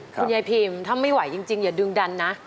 คุณยายพิมถ้าไม่ไหวจริงอย่าดึงดันนะ